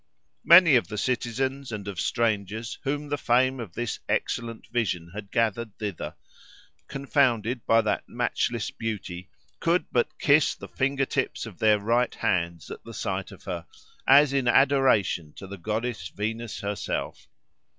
Many of the citizens and of strangers, whom the fame of this excellent vision had gathered thither, confounded by that matchless beauty, could but kiss the finger tips of their right hands at sight of her, as in adoration to the goddess Venus herself.